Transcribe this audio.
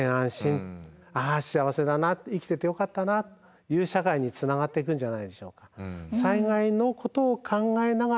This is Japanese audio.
あ幸せだな生きててよかったなっていう社会につながっていくんじゃないでしょうか。